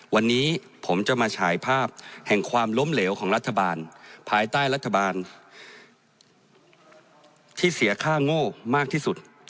วันนี้ผมจะมาฉายภาพแห่งความล้มเหลวของรัฐบาลภายใต้รัฐบาลที่เสียค่าโง่มากที่สุด